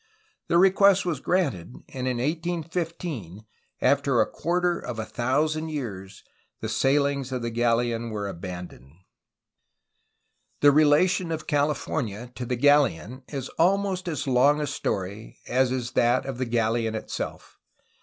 The request was granted, and in 1815, after quarter of a thousand years, the sailings of the galleon were aban doned. The relation of California to the galleon is almost as long a story as is that of the galleon itself.